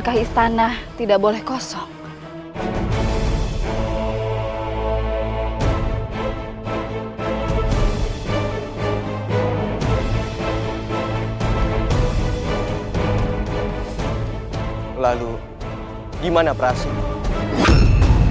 masalah ibu dinda ambedkasi yang sedang menjalani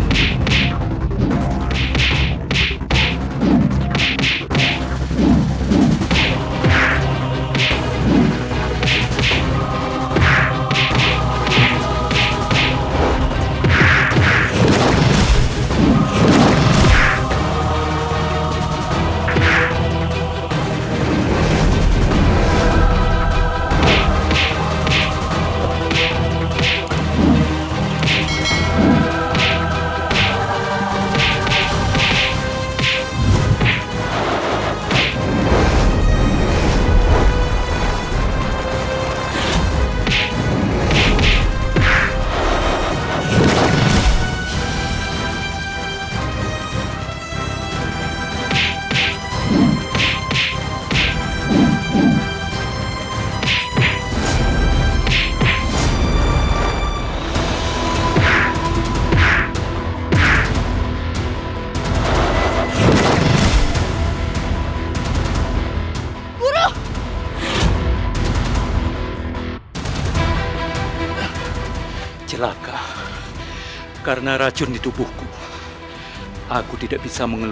hukuman